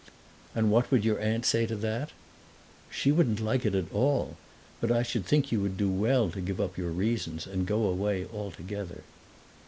"And what would your aunt say to that?" "She wouldn't like it at all. But I should think you would do well to give up your reasons and go away altogether."